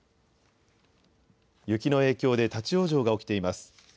雪の影響で立往生が起きています。